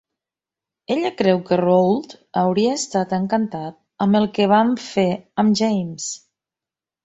Ella creu que Roald hauria estat encantat amb el que van fer amb James.